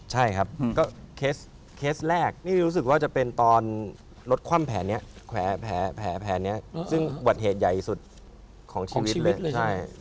ใช่ครับก็เคสแรกนี่รู้สึกว่าจะเป็นตอนรถคว่ำแผลนี้แผลนี้ซึ่งอุบัติเหตุใหญ่สุดของชีวิตเลย